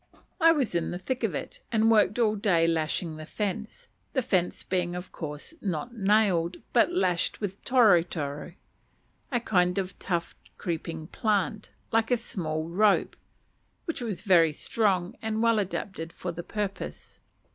I was in the thick of it, and worked all day lashing the fence; the fence being of course not nailed, but lashed with toro toro, a kind of tough creeping plant, like a small rope, which was very strong and well adapted for the purpose.